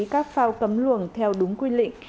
các phao cấm luồng theo đúng quy lịnh